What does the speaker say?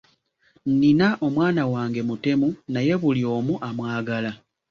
Nnina omwana wange mutemu, naye buli omu amwagala.